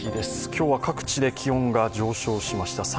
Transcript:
今日は各地で気温が上昇しました。